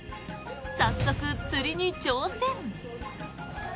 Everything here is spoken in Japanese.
早速釣りに挑戦。